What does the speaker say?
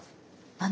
あの。